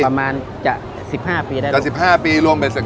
ประมาณจะ๑๕ปีได้ลุง